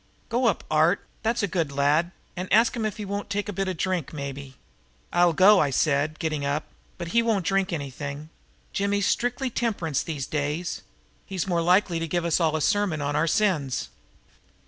"Go up, Art, that's a good lad, and ask him if he won't take a bit of a drink, maybe." "I'll go," I said, getting up, "but he won't drink anything. Jimmy's strictly temperance these days. He's more likely to give us all a sermon on our sins."